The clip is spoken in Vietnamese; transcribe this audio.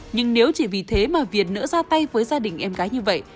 nhưng nếu chỉ vì thế mà việt nữa ra tay với gia đình em gái như vậy